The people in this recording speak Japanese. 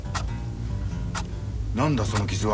何だその傷は？